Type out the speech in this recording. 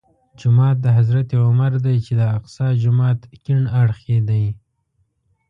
جومات د حضرت عمر دی چې د اقصی جومات کیڼ اړخ کې دی.